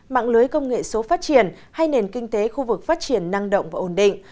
mạng lưới công nghệ số phát triển hay nền kinh tế khu vực phát triển năng động và ổn định